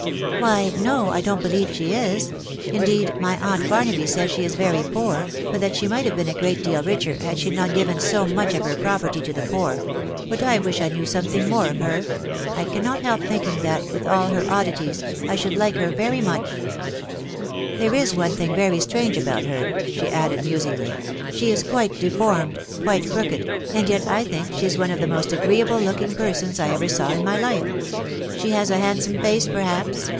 Why ■©, I don't believe ahe is; indeed, my aunt .Bar* 4*aby says she is very poor, hut that she might have been a .great deal richer had ahe not given so much of her property to ahe poor ;...... but I wish I knew something more of her. .*. J cannot. help thinldng that, with ail her oddities,, I «h*a& Jt&eJi^rrery much. There is. owe \baa£ nstj *tawn> 0&fe €€« 152 THB WIDOW BARNABT. her/' she added musingly, <c she is quite deformed, quite crooked, and yet I think she is one of the most agreeable looking persons I ever saw in my life." She has a handsome face, perhaps